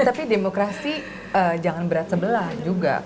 tapi demokrasi jangan berat sebelah juga